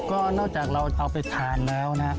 ก็นอกจากเราเอาไปทานแล้วนะ